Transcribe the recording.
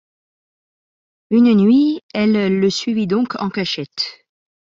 Une nuit, elle le suivit donc en cachette.